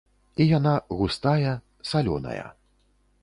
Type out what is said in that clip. І яна густая, салёная.